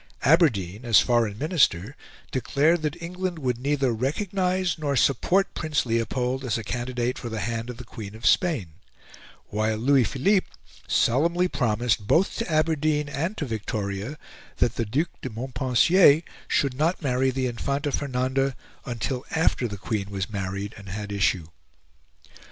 Aberdeen, as Foreign Minister, declared that England would neither recognise nor support Prince Leopold as a candidate for the hand of the Queen of Spain; while Louis Philippe solemnly promised, both to Aberdeen and to Victoria, that the Duc de Montpensier should not marry the Infanta Fernanda until after the Queen was married and had issue.